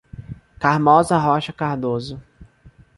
Carmoza Rocha Cardozo